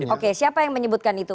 oke siapa yang menyebutkan itu